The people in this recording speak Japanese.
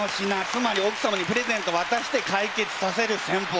つまり奥様にプレゼントわたして解決させる戦法。